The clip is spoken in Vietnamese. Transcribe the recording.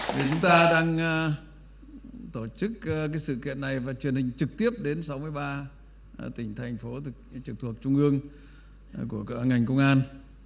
vì chúng ta đang tổ chức sự kiện này và truyền hình trực tiếp đến sáu mươi ba tỉnh thành phố trực thuộc trung ương của ngành công an